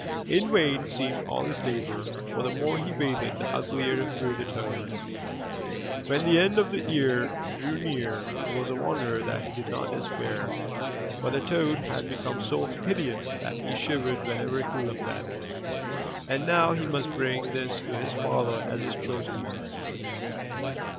In vain seemed all his labor, for the more he bathed, the uglier grew the toad. When the end of the year drew near it is a wonder that he did not despair; for the toad had become so hideous that he shivered whenever he looked at it. And now he must bring this to his father as his chosen one.